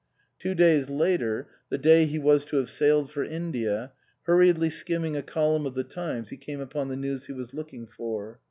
Two days later the day he was to have sailed for India hurriedly skimming a column of the Times he came upon the news he was looking for.